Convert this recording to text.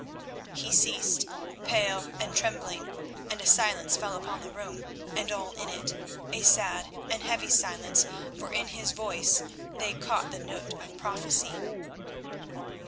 He ceased, pale and trembling, and a silence fell upon the room and all in it, a sad and heavy silence, for in his voice they caught the note of prophecy.